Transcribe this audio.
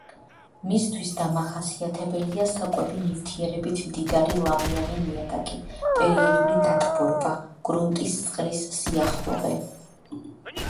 მისთვის დამახასიათებელია საკვები ნივთიერებით მდიდარი ლამიანი ნიადაგი, პერიოდული დატბორვა, გრუნტის წყლის სიახლოვე.